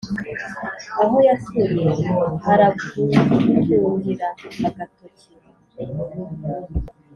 aho yatuye haragutungira agatoki